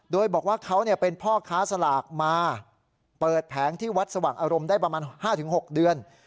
โดยบอกว่าเขาเป็นพ่อค้าสลากมาเปิดแผงที่วัดสว่างอารมณ์ได้ประมาณ๕๖เดือน